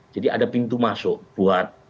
jadi ada pintu masuk buat